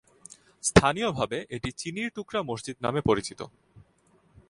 স্থানীয়ভাবে এটি ‘চিনির টুকরা মসজিদ’ নামে পরিচিত।